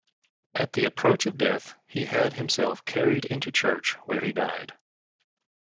At the approach of death he had himself carried into church, where he died.